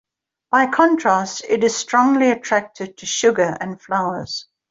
By contrast, it is strongly attracted to sugar and flowers.